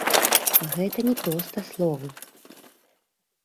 Гэта не проста словы.